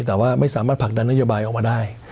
แต่ว่าไม่สามารถผลักดันนโยบายออกมาได้